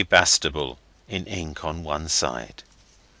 Bastable' in ink on one side.